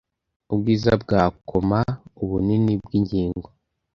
ubwiza bwa koma ubunini bwingingo